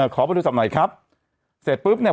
ขอเบอร์โทรศัพท์หน่อยครับเสร็จปุ๊บเนี่ย